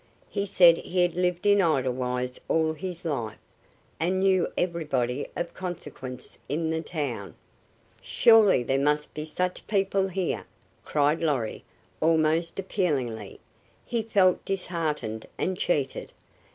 He said he had lived in Edelweiss all his life, and knew everybody of consequence in the town. "Surely there must be such people here," cried Lorry, almost appealingly. He felt disheartened and cheated.